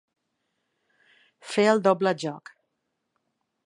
Fer el doble joc.